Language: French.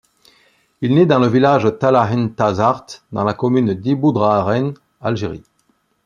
Il nait dans le village Thala n'tazarth dans la commune d'Iboudraren, Algérie.